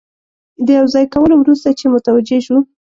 د یو ځای کولو وروسته چې متوجه شو.